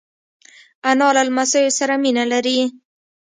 انا له لمسیو سره مینه لري